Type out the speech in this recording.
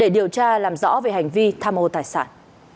điều tra làm rõ về hành vi tham mô tài sản